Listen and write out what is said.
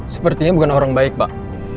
sepertinya bukan orang baik pak